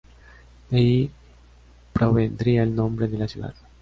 De ahí provendría el nombre de la ciudad.